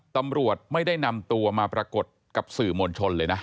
ตำรวจไม่ได้นำตัวมาปรากฏกับสื่อมวลชนเลยนะ